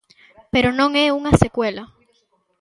Pero non é unha secuela.